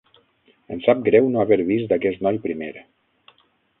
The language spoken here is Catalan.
Em sap greu no haver vist aquest noi primer.